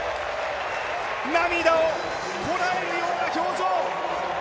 涙をこらえるような表情。